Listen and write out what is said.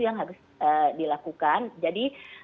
yang harus dilakukan jadi